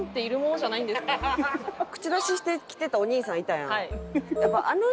口出ししてきてたお兄さんいたやん？